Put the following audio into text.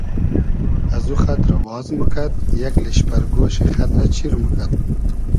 از او خئد رۂ واز موکئد یئگ لیشپئر گۉشی خئد رۂ چیر موکئد